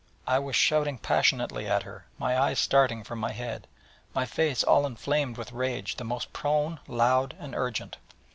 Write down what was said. I was shouting passionately at her, my eyes starting from my head, my face all inflamed with rage the most prone, loud and urgent.